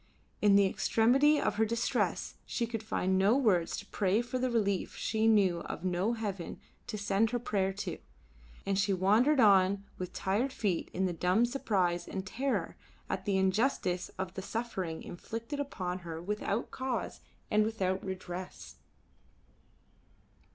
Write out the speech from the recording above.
In the extremity of her distress she could find no words to pray for relief, she knew of no heaven to send her prayer to, and she wandered on with tired feet in the dumb surprise and terror at the injustice of the suffering inflicted upon her without cause and without redress.